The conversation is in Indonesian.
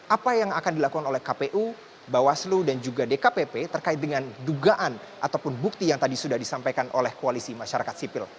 apa yang akan dilakukan oleh kpu bawaslu dan juga dkpp terkait dengan dugaan ataupun bukti yang tadi sudah disampaikan oleh koalisi masyarakat sipil